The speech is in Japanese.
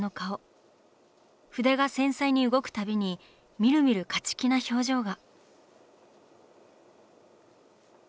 筆が繊細に動くたびにみるみる勝ち気な表情が。